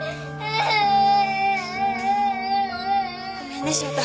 ごめんね翔太。